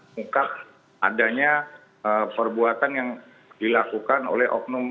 mukap adanya perbuatan yang dilakukan oleh oknum